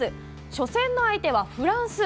初戦の相手はフランス。